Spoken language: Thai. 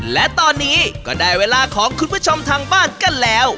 และตอนนี้ก็ได้เวลาของคุณผู้ชมทางบ้านกันแล้ว